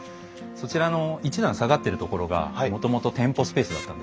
そちらの一段下がってるところがもともと店舗スペースだったんです。